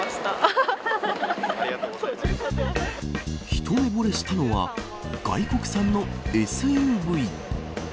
一目ぼれしたのは外国産のＳＵＶ。